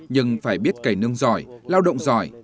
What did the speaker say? nhưng phải biết cầy nương giỏi lao động giỏi